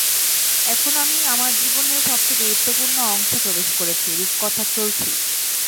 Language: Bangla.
এখন আমি আমার জীবনের সবচেয়ে গুরুত্বপূর্ণ অংশে প্রবেশ করেছি, রূপকথা চলছেই।